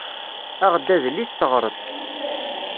Aɣ-d adlis teɣreḍ-t.